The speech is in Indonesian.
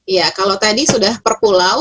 iya kalau tadi sudah per pulau